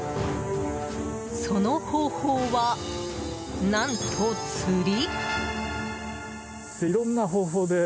その方法は何と、釣り？